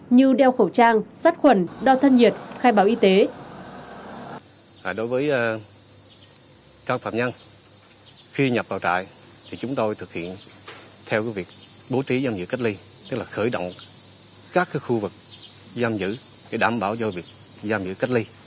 như đeo khẩu trang sát khuẩn đo thân nhiệt khai báo y tế